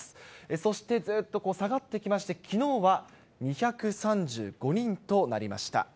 そしてずーっと下がってきまして、きのうは２３５人となりました。